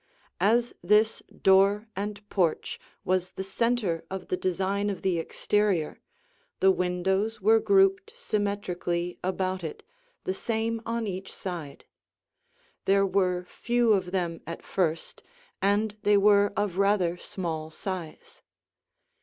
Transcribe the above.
As this door and porch was the center of the design of the exterior, the windows were grouped symmetrically about it, the same on each side. There were few of them at first, and they were of rather small size.